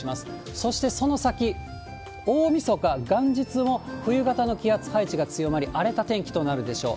そしてその先、大みそか、元日も冬型の気圧配置が強まり、荒れた天気となるでしょう。